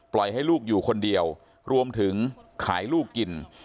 ให้ลูกอยู่คนเดียวรวมถึงขายลูกกิน